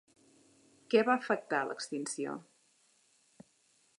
Què va afectar l'extinció?